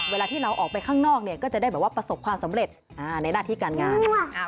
เวลาที่เราออกไปข้างนอกเนี่ยก็จะได้แบบว่าประสบความสำเร็จในหน้าที่การงาน